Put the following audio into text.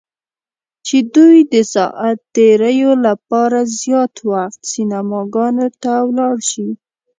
چې دوی د ساعت تیریو لپاره زیات وخت سینماګانو ته ولاړ شي.